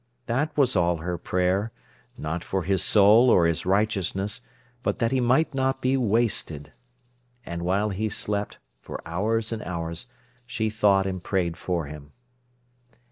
That was all her prayer—not for his soul or his righteousness, but that he might not be wasted. And while he slept, for hours and hours she thought and prayed for him.